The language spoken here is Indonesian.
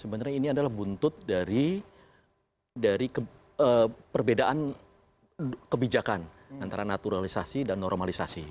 sebenarnya ini adalah buntut dari perbedaan kebijakan antara naturalisasi dan normalisasi